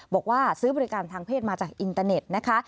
บอกว่าซื้อบริการทางเพศมาจากอินเตอร์เน็ตนะคะ